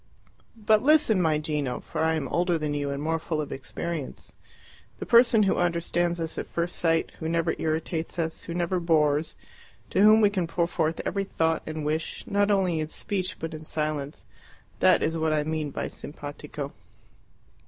But listen, my Gino, for I am older than you and more full of experience. The person who understands us at first sight, who never irritates us, who never bores, to whom we can pour forth every thought and wish, not only in speech but in silence that is what I mean by SIMPATICO."